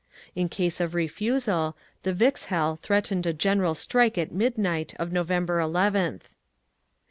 In case of refusal, the Vikzhel threatened a general strike at midnight of November 11th.